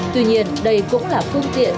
tuy nhiên đây cũng là phương tiện